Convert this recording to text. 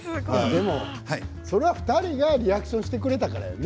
それは２人がリアクションしてくれたからよね。